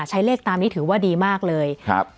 ใช้เลขตามนี้ถือว่าดีมากเลยครับ